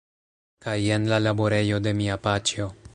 Kaj jen la laborejo de mia paĉjo.